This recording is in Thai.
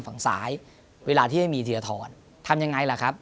ฝั่งซ้ายเวลาที่ไม่มีธีรทรทำยังไงล่ะครับ